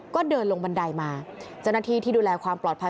ก็เดินลงบันไดมาเจ้าหน้าที่ที่ดูแลความปลอดภัย